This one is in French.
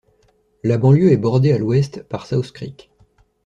La banlieue est bordée à l'ouest par South Creek.